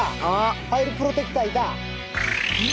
パイルプロテクターいた？